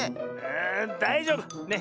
⁉だいじょうぶ。ね。